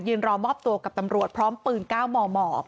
ยืนรอมอบตัวกับตำรวจพร้อมปืนก้าวหม่อ